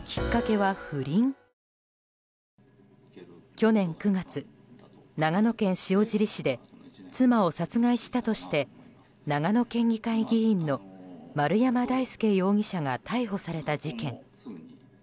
去年９月、長野県塩尻市で妻を殺害したとして長野県議会議員の丸山大輔容疑者が逮捕された事件。